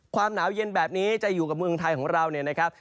ความหนาวเย็นแบบนี้จะอยู่กับเมืองไทยของเราเนี่ยนะครับ